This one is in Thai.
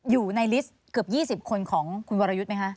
อยู่ในลิสต์เกือบ๒๐คนของคุณวรยุทธ์ไหมคะ